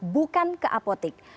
bukan ke apotik